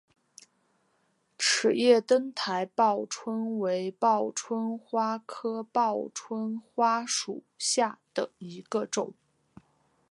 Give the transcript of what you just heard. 齿叶灯台报春为报春花科报春花属下的一个种。